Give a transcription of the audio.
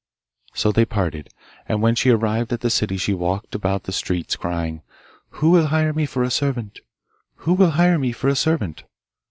So they parted, and when she arrived at the city she walked about the streets crying, 'Who will hire me for a servant? Who will hire me for a servant?